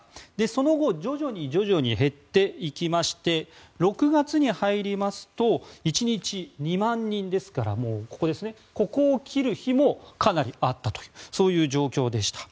その後、徐々に減っていきまして６月に入りますと１日２万人、ですからここですね、ここを切る日もかなりあったというそういう状況でした。